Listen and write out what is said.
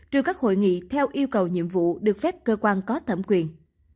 trừ các hội nghị theo yêu cầu nhiệm vụ được phép cơ quan có thẩm quyền